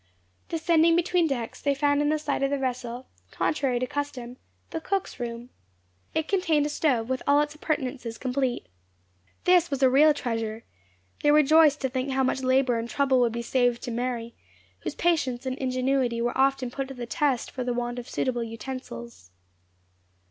Descending between decks, they found in the side of the vessel, contrary to custom, the cook's room. It contained a stove, with all its appurtenances complete. This was a real treasure; they rejoiced to think how much labour and trouble would be saved to Mary, whose patience and ingenuity were often put to the test for the want of suitable utensils.